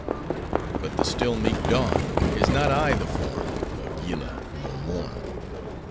But the still meek Dawn, Is not aye the form Of Yillah nor Morn!